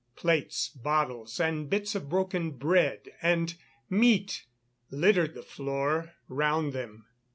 Plates, bottles and bits of broken bread and meat littered the floor round them.